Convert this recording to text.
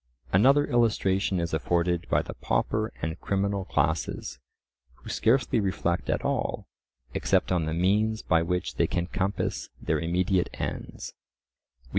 Another illustration is afforded by the pauper and criminal classes, who scarcely reflect at all, except on the means by which they can compass their immediate ends.